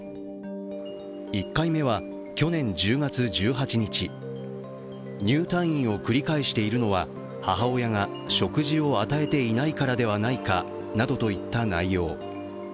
１回目は去年１０月１８日、入退院を繰り返しているのは、母親が食事を与えていないからではないかなどといった内容